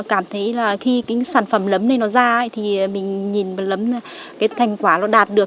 cảm thấy khi sản phẩm lấm này nó ra thì mình nhìn lấm thành quả nó đạt được